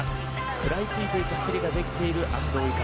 食らいついていく走りができている安藤友香。